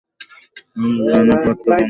আমিই বিমানে ভদকা পান করেছিলাম।